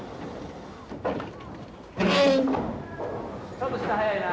ちょっと下早いな。